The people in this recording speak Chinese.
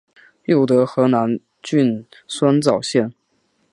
又得河南郡酸枣县。